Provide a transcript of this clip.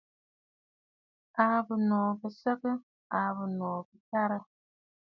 Àa bɨ̀nòò bi səgə? Àa bɨnòò bi tarə̀.